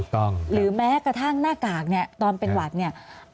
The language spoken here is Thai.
หรือแม้กระทั่งหน้ากากเนี่ยตอนเป็นหวัดเนี่ย